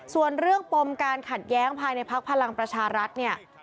ส่วนเรื่องปมการขัดแย้งภายในพักพลังประชารัฐเนี่ย